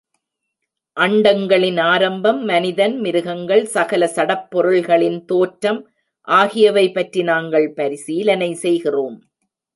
அண்டங்களின் ஆரம்பம், மனிதன், மிருகங்கள், சகல சடப்பொருள்களின் தோற்றம் ஆகியவை பற்றி நாங்கள் பரிசீலனை செய்கிறோம்.